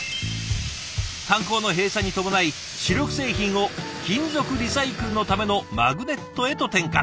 炭鉱の閉鎖に伴い主力製品を金属リサイクルのためのマグネットへと転換。